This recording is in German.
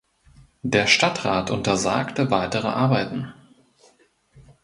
Der Stadtrat untersagte weitere Arbeiten.